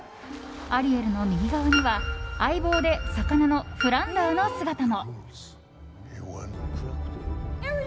アリエルの右側には相棒で魚のフランダーの姿も。